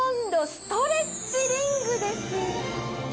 ストレッチリング？